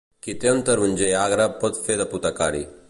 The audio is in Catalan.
Qui té un taronger agre pot fer d'apotecari.